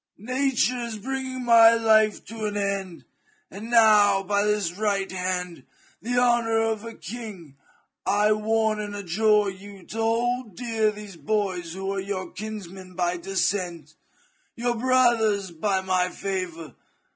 Nature is bringing my life to an end, and now, by this right hand, by the honour of a king, I warn and adjure you to hold dear these boys who are your kinsmen by de scent, your brothers by my favour.